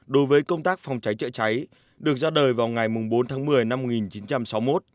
đối với công tác phòng cháy chữa cháy được ra đời vào ngày bốn tháng một mươi năm một nghìn chín trăm sáu mươi một